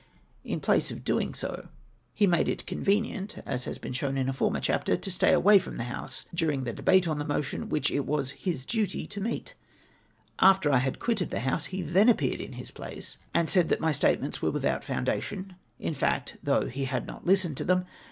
In place of so doing, he made it convenient — as has been show^n in a former chapter — to stay away from the House durinsr the debate on that motion, wdiich it was " his duty " to meet. After I had quitted tlie House, he then appeared in his place and HIS ATTACK ON ME 299 said that my statements were witliout any foundation in fact, though he had not hstened to them!